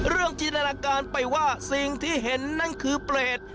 เรื่องจินอลาการไปว่าสิ่งที่เห็นนั่นคือประเหตุ